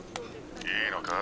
いいのか？